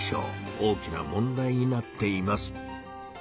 大きな問題になっています。